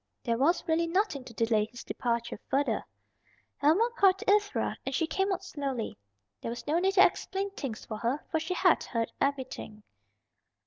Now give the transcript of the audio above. There was really nothing to delay his departure further. Helma called to Ivra, and she came out slowly. There was no need to explain things to her, for she had heard everything.